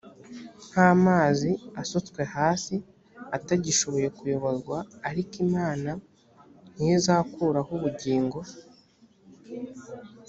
nk amazi asutswe hasi atagishoboye kuyorwa ariko imana ntizakuraho ubugingo